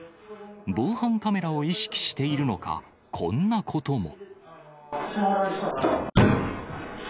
防犯カメラを意識しているのか、こんなことも。